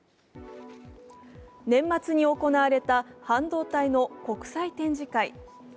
年末に行われた半導体の国際展示会。